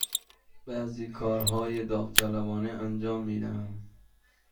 بعضی کارهای داوطلبانه انجام می دهم.